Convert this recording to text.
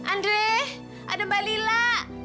andre ada mbak lila